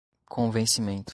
convencimento